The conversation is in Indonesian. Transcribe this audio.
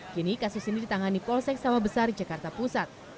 kini kasus ini ditangani polsek sawah besar jakarta pusat